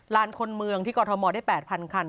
ไลน์คนมืองที่กมได้๘๐๐๐คัน